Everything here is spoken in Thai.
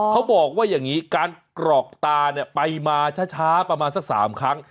เขาบอกว่าอย่างนี้การกรอกตาเนี่ยไปมาช้าประมาณสัก๓ครั้ง